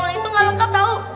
itu gak lengkap tau